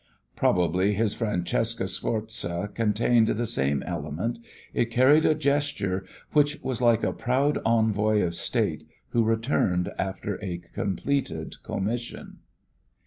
Probably his Francesco Sforza contained the same element, it carried a gesture which was like a proud envoy of state who returned after a completed commission.